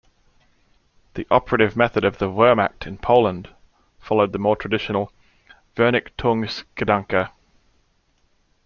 The operative method of the Wehrmacht in Poland followed the more traditional "Vernichtungsgedanke".